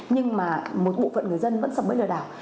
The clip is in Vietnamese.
nhưng mà một bộ phận người dân vẫn sập bẫy lừa đảo